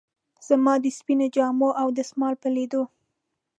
زما د سپینو جامو او دستمال په لیدو.